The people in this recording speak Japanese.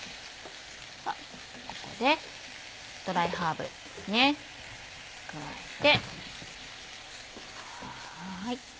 ではここでドライハーブですね加えて。